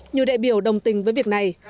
nhiều đại biểu đồng tình với việc này